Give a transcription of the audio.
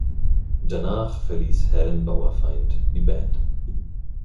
Danach verließ Helen Bauerfeind die Band.